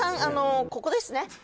あのここですね